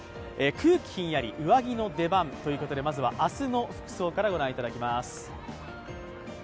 空気ヒンヤリ、上着の出番ということで、まずは明日の服装から御覧いただきます。